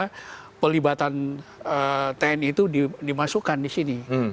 di pelibatan tni itu dimasukkan disini